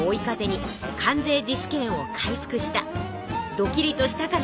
ドキリとしたかな？